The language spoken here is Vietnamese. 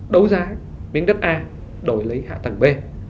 đấu giá miếng đất a đổi lấy hạ tầng b